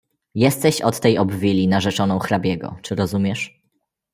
"Jesteś od tej obwili narzeczoną hrabiego, czy rozumiesz?"